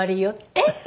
「えっ？